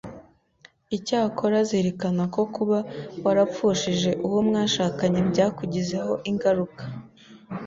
Icyakora zirikana ko kuba warapfushije uwo mwashakanye byakugizeho ingaruka